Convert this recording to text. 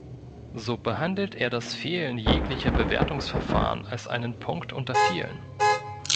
So behandelt er das Fehlen jeglicher Bewertungsverfahren als einen Punkt unter vielen.